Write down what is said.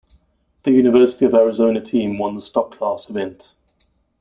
The University of Arizona team won the Stock Class event.